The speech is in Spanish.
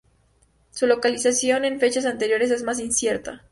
Su localización en fechas anteriores es más incierta.